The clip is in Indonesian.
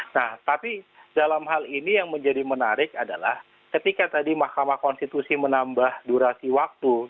nah tapi dalam hal ini yang menjadi menarik adalah ketika tadi mahkamah konstitusi menambah durasi waktu